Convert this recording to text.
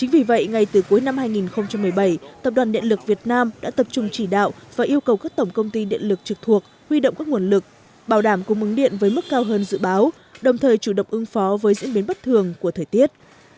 vì vậy ngay từ cuối năm hai nghìn một mươi bảy tập đoàn điện lực việt nam đã tập trung chỉ đạo và yêu cầu các tổng công ty điện lực trực thuộc huy động các nguồn lực bảo đảm cung ứng điện với mức cao hơn dự báo đồng thời chủ động ứng phó với diễn biến bất thường của thời tiết